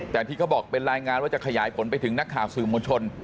แต่ที่เขาบอกเป็นรายงานว่าจะขยายผลไปถึงนักข่าวสื่อมวลชน